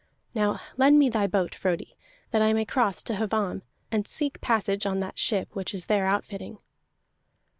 Now lend me thy boat, Frodi, that I may cross to Hvamm, and seek passage on that ship which is there outfitting."